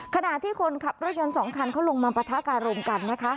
ขณะที่คนขับรถยนต์๒คันเขาลงมาปะทะการมกันนะคะ